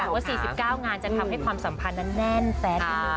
ว่า๔๙งานจะทำให้ความสัมพันธ์นั้นแน่นแฟน